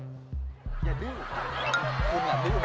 อย่าดื้อค่ะ